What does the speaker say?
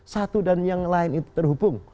satu dan yang lain itu terhubung